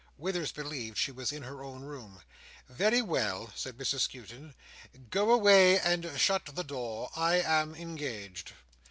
Withers believed she was in her own room. "Very well," said Mrs Skewton. "Go away, and shut the door. I am engaged."